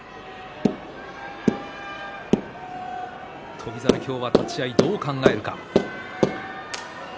翔猿、今日は立ち合いどう考えるか。